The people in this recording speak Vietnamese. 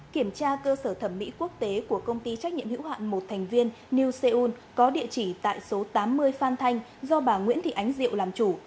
kiểm tra cơ sở thẩm mỹ quốc tế của công ty trách nhiệm hữu hạn một thành viên new seul có địa chỉ tại số tám mươi phan thanh do bà nguyễn thị ánh diệu làm chủ